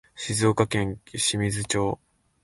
静岡県清水町